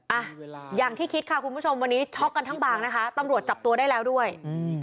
อ่ะอย่างที่คิดค่ะคุณผู้ชมวันนี้ช็อกกันทั้งบางนะคะตำรวจจับตัวได้แล้วด้วยอืม